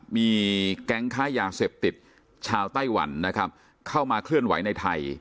มีแก๊งค้ายาเสพติดชาวไต้หวันนะครับเข้ามาเคลื่อนไหวในไทย